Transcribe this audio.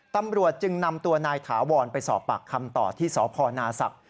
ตำรวจจึงนำตัวนายถาวรไปสอบปากคำต่อที่สพนาศักดิ